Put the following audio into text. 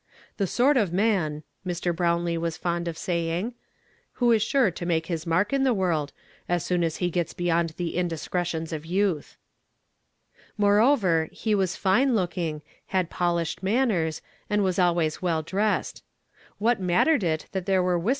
'' The sort of man," ]\Ir. Brownlee was fond of saying, " who is sure to make his mark in the Avorld, as soon as he gets beyond the indiscretions of youth." Moreover, he was fine looking, had polished mannei"s, and was always A\'ell dressed. What 106 YESTERDAY I'MIAMKD IN TO DAY. mutUnvd it that tlicrc were; wliisiu.